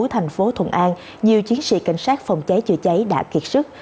thành phố thuận an nhiều chiến sĩ cảnh sát phòng cháy chữa cháy đã kiệt sức